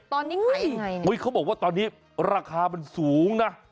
ตอนนี้ขายยังไงอุ้ยเขาบอกว่าตอนนี้ราคามันสูงนะ